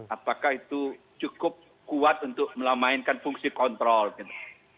apakah itu cukup kuat untuk melamainkan fungsi kontrol gitu